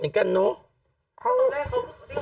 กล้องกว้างอย่างเดียว